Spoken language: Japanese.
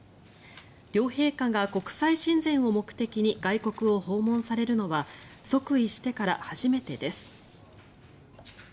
両陛下が国際親善を目的に外国を訪問されるのは即位してから初めてです。